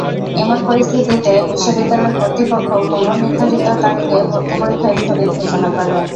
এমন পরিস্থিতিতে বিশ্ববিদ্যালয় কর্তৃপক্ষ পূর্ব নির্ধারিত তারিখে ভর্তি পরীক্ষা স্থগিত ঘোষণা করে।